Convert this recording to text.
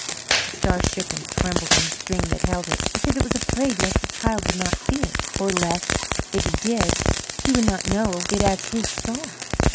The star shook and trembled on the string that held it, because it was afraid lest the child would not see it, or lest, if he did, he would not know it as his star.